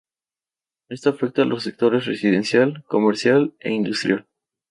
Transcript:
Esto afecta a los sectores residencial, comercial e industrial.